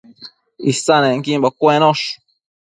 Isannequimbo cuensho